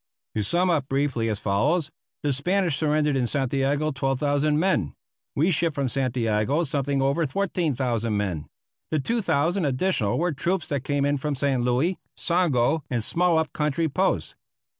To sum up briefly as follows: The Spanish surrendered in Santiago 12,000 men. We shipped from Santiago something over 14,000 men. The 2,000 additional were troops that came in from San Luis, Songo, and small up country posts.